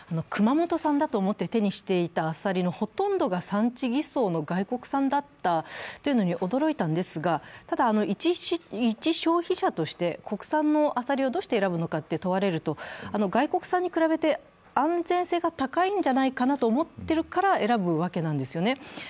熊本産だと思って手にしていたアサリのほとんどが産地偽装の外国産だったというのに驚いたんですが、ただ、一消費者として国産のアサリをどうして選ぶのかと問われると外国産に比べて安全性が高いんじゃないかなと思っているから選ぶわけなんですよね。